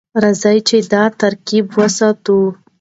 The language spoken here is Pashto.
راځئ چې دا ترکیب وساتو.